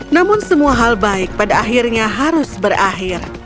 namun semua hal baik pada akhirnya harus berakhir